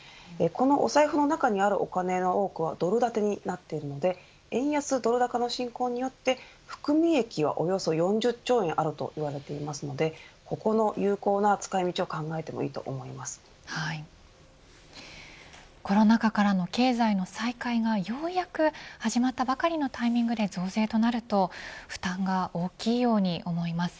このお財布の中にあるお金はドル建てになっているので円安ドル高の進行によって含み益はおよそ４０兆円あると言われていますのでここの有効な使い道をコロナ禍からの経済の再開がようやく始まったばかりのタイミングで増税となると負担が大きいように思います。